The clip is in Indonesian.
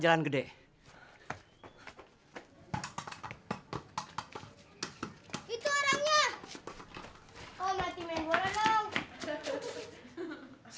tidak ada yang bisa